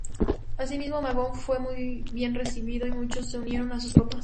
Asimismo, Magón fue bien recibido y muchos se unieron a sus tropas.